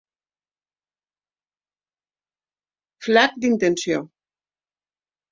Flac d'intenció.